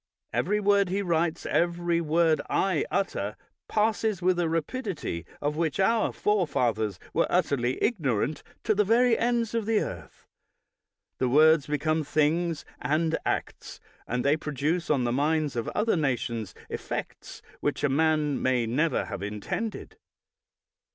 Every word he writes, every word I utter, passes with a rapidity of which our forefathers were utterly ignorant, to the very ends of the earth; the words become things and acts, and they produce on the minds of other nations effects which a man may never have intended.